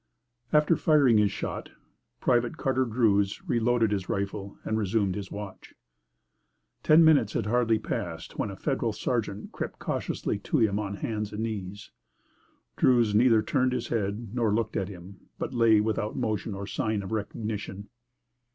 After firing his shot, Private Carter Druse reloaded his rifle and resumed his watch. Ten minutes had hardly passed when a Federal sergeant crept cautiously to him on hands and knees. Druse neither turned his head nor looked at him, but lay without motion or sign of recognition.